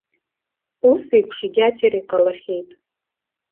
Усеиԥш егьаџьара иҟалахьеит.